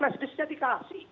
flash disknya dikasih